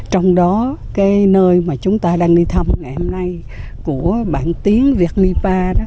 trong đó nơi mà chúng ta đang đi thăm ngày hôm nay của bạn tiến vietnipa